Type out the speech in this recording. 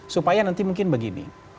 supaya nanti mungkin begini